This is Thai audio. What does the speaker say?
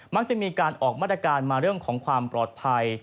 จะมีการออกมาตรการมาเรื่องของความปลอดภัย